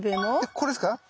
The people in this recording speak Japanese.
これですか？